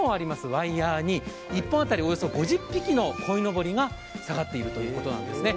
ワイヤーに１本当たりおよそ５０匹のこいのぼりが下がっているということなんですね。